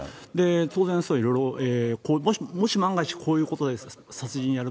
当然、もし万が一、こういうことで殺人やる